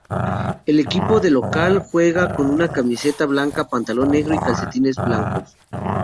El equipo de local juega con una camiseta blanca, pantalón negro y calcetines blancos.